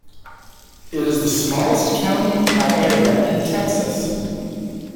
It is the smallest county by area in Texas.